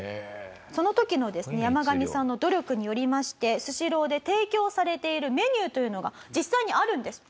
その時のですねヤマガミさんの努力によりましてスシローで提供されているメニューというのが実際にあるんです。